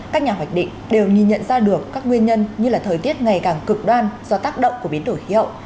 các nhà hoạch định đều nghi nhận ra được các nguyên nhân như là thời tiết ngày càng cực đoan do tác động của biến đổi hiệu